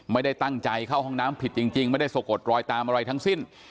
ไม่ได้ตั้งใจเข้าห้องน้ำผิดจริงไม่ได้สะกดรอยตามอะไรทั้งสิ้น